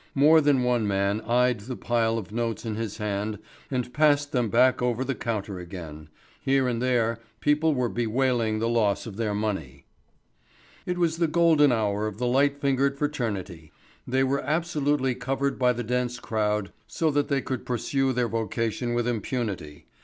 More than one man eyed the pile of notes in his hand and passed them back over the counter again. Here and there people were bewailing the loss of their money. It was the golden hour of the light fingered fraternity. They were absolutely covered by the dense crowd so that they could pursue their vocation with impunity.